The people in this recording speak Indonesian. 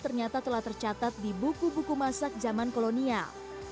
ternyata telah tercatat di buku buku masak zaman kolonial